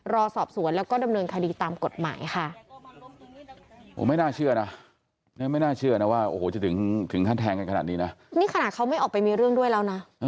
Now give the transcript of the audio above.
รอสอบสวนแล้วก็ดำเนินคดีตามกฎหมายค่ะ